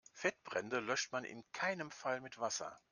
Fettbrände löscht man in keinem Fall mit Wasser.